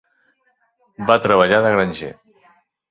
Va treballar de granger.